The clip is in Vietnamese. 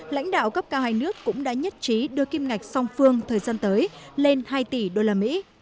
lãnh đạo cấp cao hai nước cũng đã nhất trí đưa kim ngạch song phương thời gian tới lên hai tỷ usd